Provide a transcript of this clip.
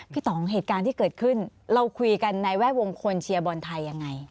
ต่องเหตุการณ์ที่เกิดขึ้นเราคุยกันในแวดวงคนเชียร์บอลไทยยังไง